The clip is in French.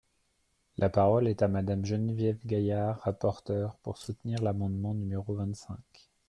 La parole est à Madame Geneviève Gaillard, rapporteure, pour soutenir l’amendement numéro vingt-cinq.